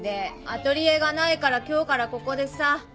アトリエがないから今日からここでさ